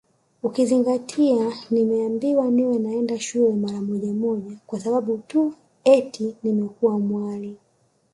Ukizingatia nimeambiwa niwe naenda shule mara moja moja kwa sababu tu eti nimekuwa mwali